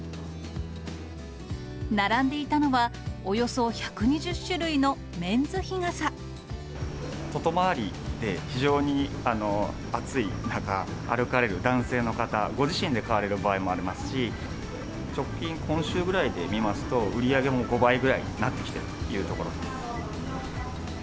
並んでいたのは、外回りで非常に暑い中、歩かれる男性の方、ご自身で買われる場合もありますし、直近、今週ぐらいで見ますと、売り上げも５倍ぐらいになってきてるというところです。